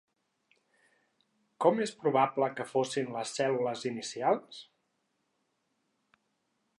Com és probable que fossin les cèl·lules inicials?